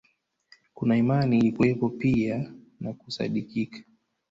Kuna imani ilikuwepo pia na kusadikika